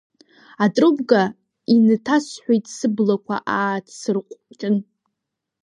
Атрубка инҭасҳәеит сыблақәа ааҭсырҟәҷын.